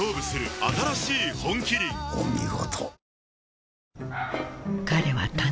お見事。